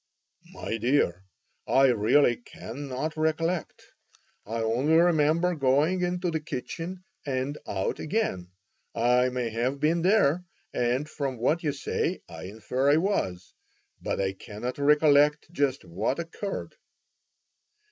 "My dear, I really cannot recollect. I only remember going into the kitchen and out again. I may have been there, and from what you say I infer I was. But I cannot recollect just what occurred."